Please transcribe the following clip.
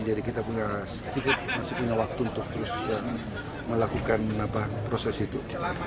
jadi kita masih punya waktu untuk terus melakukan proses itu